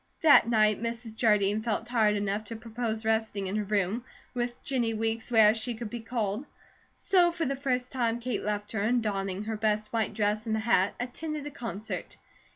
That night Mrs. Jardine felt tired enough to propose resting in her room, with Jennie Weeks where she could be called; so for the first time Kate left her, and, donning her best white dress and the hat, attended a concert.